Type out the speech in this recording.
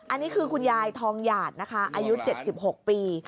อันนี้คือคุณยายทองหยาดนะคะอายุ๗๖ปี